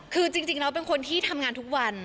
คือจริงแล้วเป็นคนที่ทำงานทุกวัน